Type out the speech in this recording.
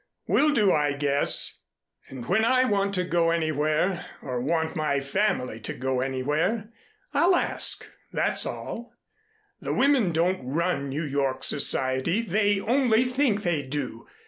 We'll do, I guess. And when I want to go anywhere, or want my family to go anywhere, I ask, that's all. The women don't run New York society. They only think they do.